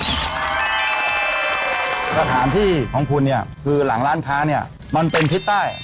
สถานที่ของคุณเนี่ยคือหลังร้านค้าเนี่ยมันเป็นทิศใต้